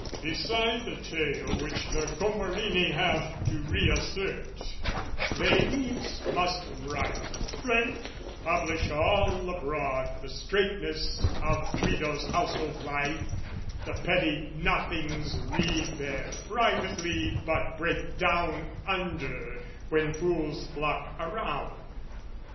Beside the tale Which the Comparini have to re assert, They needs must write, print, publish all abroad The straitnesses of Guido's household life The petty nothings we bear privately But break down under when fools flock around.